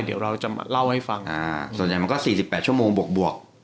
เดี๋ยวเราจะมาเล่าให้ฟังอ่าส่วนใหญ่มันก็สี่สิบแปดชั่วโมงบวกบวก